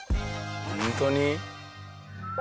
本当に？